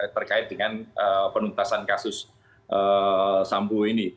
terkait dengan penuntasan kasus sambo ini